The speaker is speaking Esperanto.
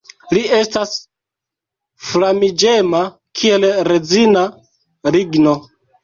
Li estas flamiĝema kiel rezina ligno.